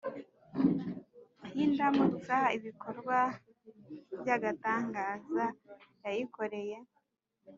y’indamutsa ibikorwa byagatangaza yayikoreye